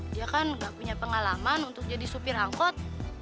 dia kan nggak punya pengalaman untuk jadi supir angkot